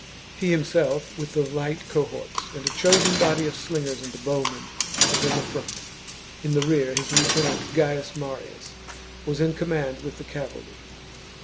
He himself, with the light cohorts, and a chosen body of slingers and bowmen, was in the front. In the rear his lieutenant, Gaius Marius, was in command with the cavalry.